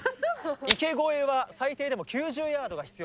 池越えは最低でも９０ヤードが必要と。